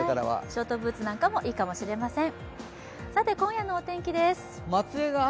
ショートブーツなんかもいいかもしれません。